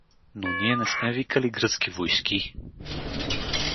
— Но ние не сме викали гръцки войски!